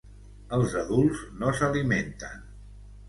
Els adults no s'alimenten.